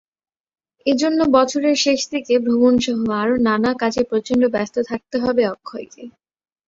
এজন্য বছরের শেষদিকে ভ্রমণসহ আরও নানা কাজে প্রচণ্ড ব্যস্ত থাকতে হবে অক্ষয়কে।